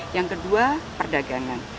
yang kedua perdagangan